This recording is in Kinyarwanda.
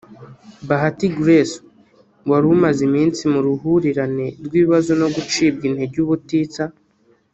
Bahati Grace wari umaze iminsi mu ruhurirane rw’ibibazo no gucibwa intege ubutitsa